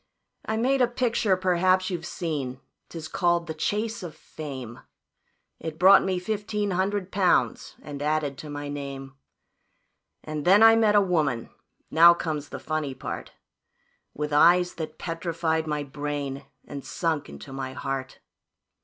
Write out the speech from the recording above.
"I made a picture perhaps you've seen, 'tis called the `Chase of Fame.' It brought me fifteen hundred pounds and added to my name, And then I met a woman now comes the funny part With eyes that petrified my brain, and sunk into my heart.